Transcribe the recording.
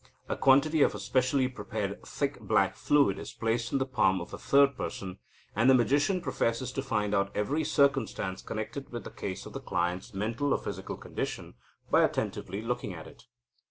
A small quantity of a specially prepared thick black fluid is placed on the palm of a third person, and the magician professes to find out every circumstance connected with the case of his client's mental or physical condition by attentively looking at it.